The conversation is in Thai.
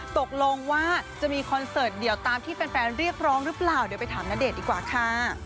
ตกลงว่าจะมีคอนเสิร์ตเดียวตามที่แฟนเรียกร้องหรือเปล่าเดี๋ยวไปถามณเดชน์ดีกว่าค่ะ